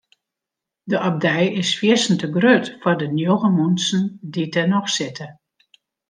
De abdij is fierstente grut foar de njoggen muontsen dy't der noch sitte.